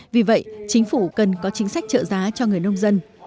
vì vậy chính phủ cần có chính sách trợ giá cho người nông dân